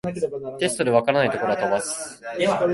テストで解らないところは飛ばす